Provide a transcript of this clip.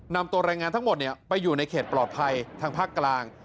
นำตัวแรงงานทั้งหมดไปอยู่ในเขตปลอดภัยทางภาคกลาง